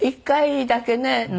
１回だけね